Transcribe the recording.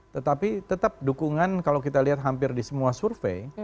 tetapi tetap dukungan kalau kita lihat hampir di semua survei